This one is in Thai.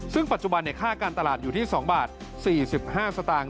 ซึ่งปัจจุบันค่าการตลาดอยู่ที่๒บาท๔๕สตางค์